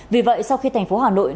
vì vậy sau khi thành phố hà nội